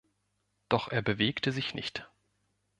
Doch er bewegte sich nicht.